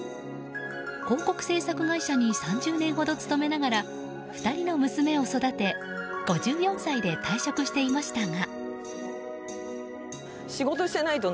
広告制作会社に３０年ほど勤めながら２人の娘を育てて５４歳で退職していましたが。